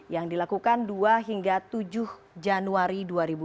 yang dilakukan dua hingga tujuh januari dua ribu dua puluh